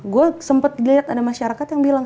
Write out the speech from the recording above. gue sempet liat ada masyarakat yang bilang